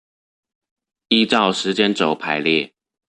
依照時間軸排列